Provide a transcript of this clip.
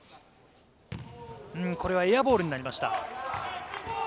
これはエアボールになりました。